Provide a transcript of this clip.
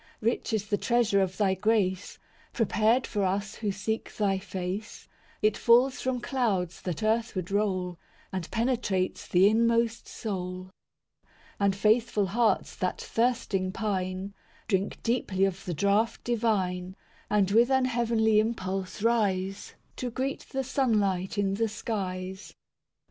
III Rich is the treasure of Thy grace, Prepared for us who seek Thy face; It falls from clouds that earthward roll, And penetrates the inmost soul. IV And faithful hearts that thirsting pine, Drink deeply of the draught divine, And with an heavenly impulse rise, To greet the sunlight in the skies.